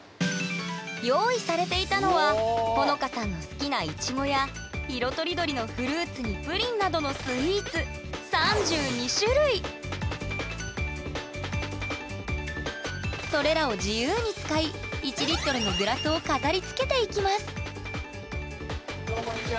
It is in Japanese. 用意されていたのはほのかさんの好きなイチゴや色とりどりのフルーツにプリンなどのスイーツそれらを自由に使い１リットルのどうもこんにちは。